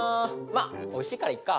まあおいしいからいっか。